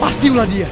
pasti ulah dia